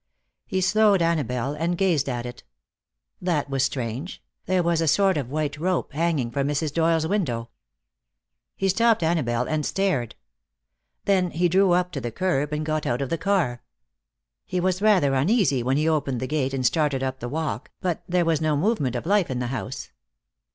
He slowed Annabelle and gazed at it. That was strange; there was a sort of white rope hanging from Mrs. Doyle's window. He stopped Annabelle and stared. Then he drew up to the curb and got out of the car. He was rather uneasy when he opened the gate and started up the walk, but there was no movement of life in the house.